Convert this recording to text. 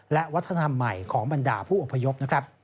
และวัฒนธรรมใหม่ของบรรดาผู้อพยพนะครับ